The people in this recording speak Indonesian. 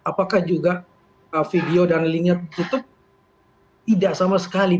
apakah juga video dan linknya tutup tidak sama sekali